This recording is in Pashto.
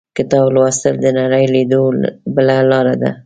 • کتاب لوستل، د نړۍ لیدو بله لاره ده.